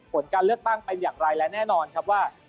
ผลการเลือกตั้งเป็นอย่างไรและแน่นอนครับว่า